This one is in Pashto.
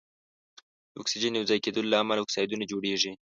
د اکسیجن یو ځای کیدلو له امله اکسایدونه جوړیږي.